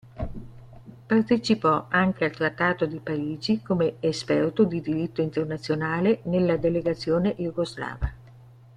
Partecipò anche al Trattato di Parigi come esperto di diritto internazionale nella delegazione jugoslava.